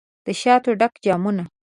دشاتو ډک جامونه